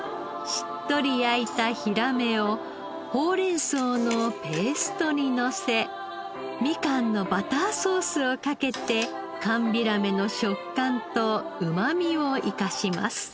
しっとり焼いたヒラメをほうれん草のペーストにのせみかんのバターソースをかけて寒ビラメの食感とうまみを生かします。